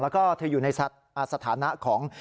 แล้วก็เธออยู่ในสถานะของ